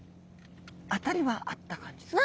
当たりはあった感じですかね？